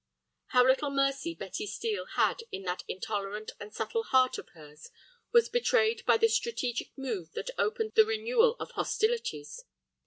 How little mercy Betty Steel had in that intolerant and subtle heart of hers was betrayed by the strategic move that opened the renewal of hostilities.